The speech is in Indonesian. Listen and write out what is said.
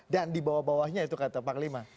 dan di bawah bawahnya itu kata panglima